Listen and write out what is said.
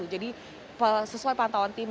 jadi sesuai pantauan tim